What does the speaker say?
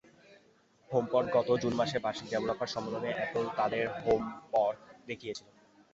HomePod গত June মাসে বার্ষিক ডেভেলপার সম্মেলনে অ্যাপল তাদের হোমপড দেখিয়েছিল।